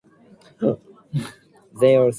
Other variants include Sublett, Sublet, and Soublet.